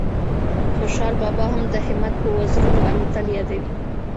خوشال بابا هم د همت په وزرونو الوتل یادوي